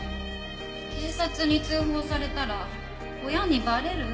警察に通報されたら親にバレる。